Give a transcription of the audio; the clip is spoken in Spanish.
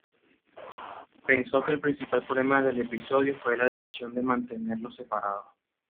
Pensó que el principal problema del episodio fue la decisión de mantenerlos separados.